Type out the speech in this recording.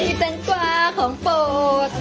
มีแตงกวาของปฏษ